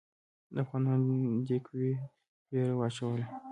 د افغانانو دې قوې وېره واچوله.